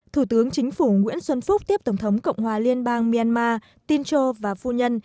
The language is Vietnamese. thủ tướng chính phủ nguyễn xuân phúc tiếp tổng thống cộng hòa liên bang myanmar tincho và phu nhân